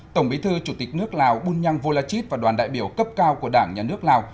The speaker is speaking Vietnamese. tổng bí thư chủ tịch nước lào bunyang volachit và đoàn đại biểu cấp cao của đảng nhà nước lào